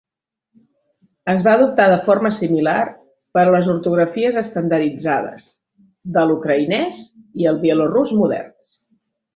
Es va adoptar de forma similar per a les ortografies estandarditzades de l'ucraïnès i el bielorús moderns.